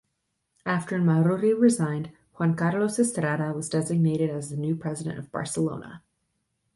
After Maruri resigned, Juan Carlos Estrada was designated as the new President of Barcelona.